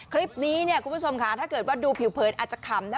คลิปนี้เนี่ยคุณผู้ชมค่ะถ้าเกิดว่าดูผิวเผินอาจจะขำนะ